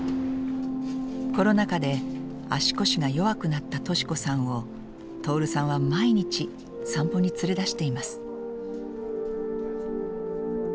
コロナ禍で足腰が弱くなった敏子さんを徹さんは毎日散歩に連れ出しています。